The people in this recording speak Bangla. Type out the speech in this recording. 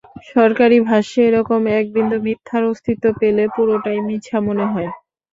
সরকারি ভাষ্যে এরকম একবিন্দু মিথ্যার অস্তিত্ব পেলে পুরোটাই মিছা মনে হয়।